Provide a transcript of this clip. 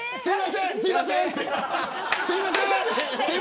すいませんって。